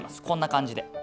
こんな感じで。